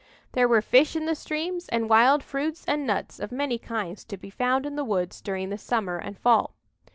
There were fish in the streams and wild fruits and nuts of many kinds to be found in the woods during the summer and fall.